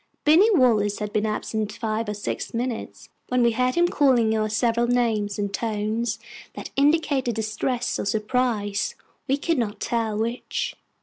Binny Wallace had been absent five or six minutes, when we heard him calling our several names in tones that indicated distress or surprise, we could not tell which.